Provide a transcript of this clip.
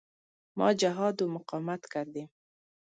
ما جهاد و مقاومت کردیم.